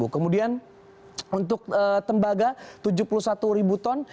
kemudian untuk tembaga tujuh puluh satu ribu ton